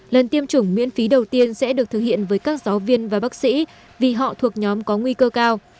lần tiêm chủng miễn phí đầu tiên sẽ được thực hiện với các gió